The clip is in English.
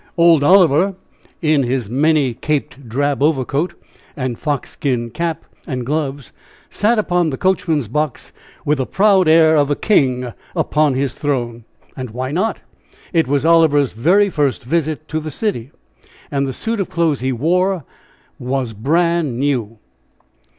Old Oliver, in his many caped drab overcoat, and fox skin cap and gloves, sat upon the coachman's box with the proud air of a king upon his throne. And why not? It was Oliver's very first visit to the city, and the suit of clothes he wore was brand new!